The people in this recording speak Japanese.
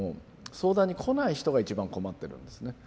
相談に来ない人が一番困ってるんですね。